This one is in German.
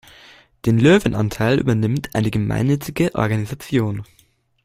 Den Löwenanteil übernimmt eine gemeinnützige Organisation.